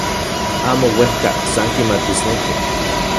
Amo uejka, san kimatisneki.